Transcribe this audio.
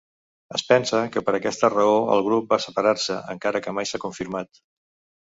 Es pensa que per aquesta raó el grup va separar-se, encara que mai s'ha confirmat.